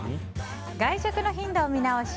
外食の頻度を見直し